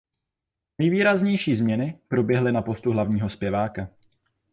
Nejvýraznější změny proběhly na postu hlavního zpěváka.